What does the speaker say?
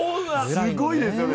すごいですよね？